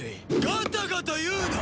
ガタガタ言うな！